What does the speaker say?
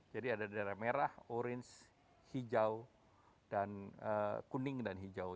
jadi ada daerah merah orange hijau dan kuning dan hijau